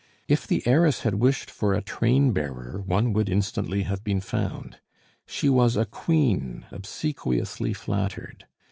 If the heiress had wished for a train bearer, one would instantly have been found. She was a queen, obsequiously flattered.